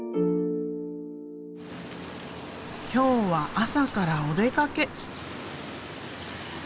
今日は朝からお出かけ。